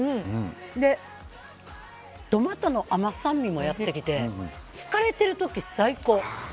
で、トマトの甘酸味もやってきて疲れている時に最高！